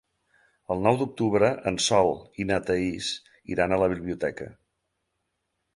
El nou d'octubre en Sol i na Thaís iran a la biblioteca.